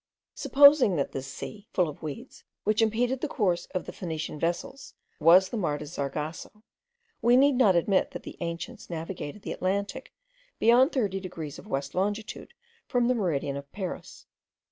Supposing that this sea, full of weeds, which impeded the course of the Phoenician vessels, was the mar de zargasso, we need not admit that the ancients navigated the Atlantic beyond thirty degrees of west longitude from the meridian of Paris.)